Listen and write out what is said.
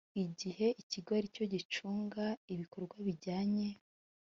igihe ikigo ari cyo gicunga ibikorwa bijyanye